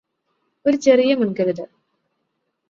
ഒരു ചെറിയ മുൻകരുതൽ